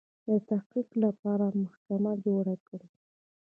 د تحقیق لپاره به محکمه جوړه کړي.